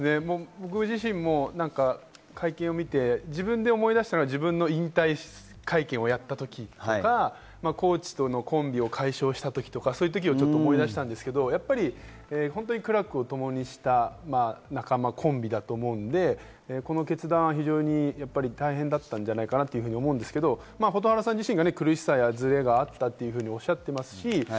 僕自身も会見を見て自分で思い出したのは、引退会見をやったときとかコーチとのコンビを解消した時とか思い出したんですけれども、苦楽をともにした仲間、コンビだと思うので、この決断は非常に大変だったんじゃないかなと思うんですけれども蛍原さん自身が苦しさやズレがあったとおっしゃってますし。